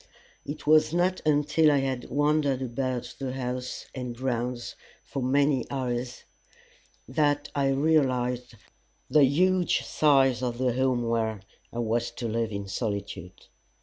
It was not until I had wandered about the house and grounds for many hours that I realized the huge size of the home where, I was to live in solitude.